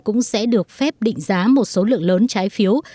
cũng sẽ được phép định giá một số lượng lớn trái phiếu